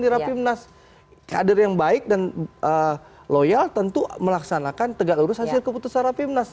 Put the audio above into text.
di rapimnas kader yang baik dan loyal tentu melaksanakan tegak lurus hasil keputusan rapimnas